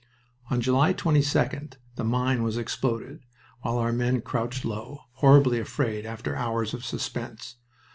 On July 22d the mine was exploded, while our men crouched low, horribly afraid after hours of suspense.